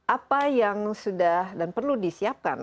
apa yang sudah dan perlu disiapkan